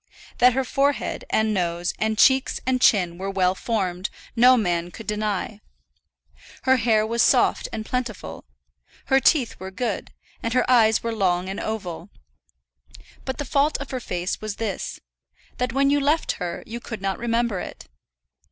That her forehead, and nose, and cheeks, and chin were well formed, no man could deny. Her hair was soft and plentiful. Her teeth were good, and her eyes were long and oval. But the fault of her face was this, that when you left her you could not remember it.